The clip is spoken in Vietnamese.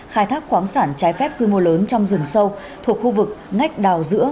khai thác khoáng sản trái phép cư mô lớn trong rừng sâu thuộc khu vực ngách đào giữa